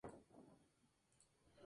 Fue lanzado solamente en Japón.